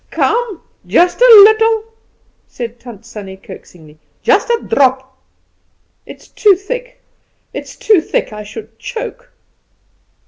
"Come, just a little," said Tant Sannie coaxingly; "just a drop." "It's too thick, it's too thick. I should choke."